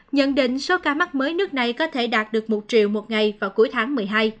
nhận định số ca mắc mới nước này có thể đạt được một triệu một ngày vào cuối tháng một mươi hai